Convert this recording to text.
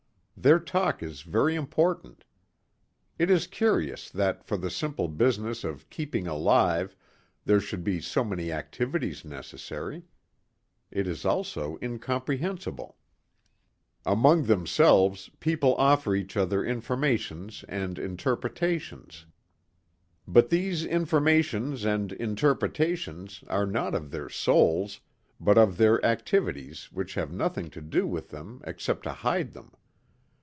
Their talk is very important. It is curious that for the simple business of keeping alive there should be so many activities necessary. It is also incomprehensible. Among themselves people offer each other informations and interpretations. But these informations and interpretations are not of their souls but of their activities which have nothing to do with them except to hide them.